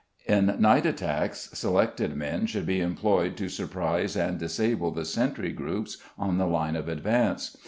In night attacks selected men should be employed to surprise and disable the sentry groups on the line of advance.